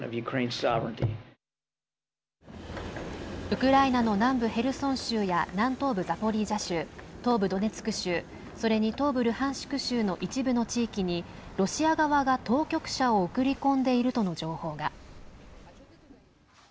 ウクライナの南部ヘルソン州や南東部ザポリージャ州東部ドネツク州、それに東部ルハンシク州の一部の地域にロシア側が当局者を送り込んでいるとの情報が。